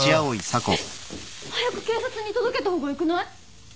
えっ早く警察に届けた方がよくない？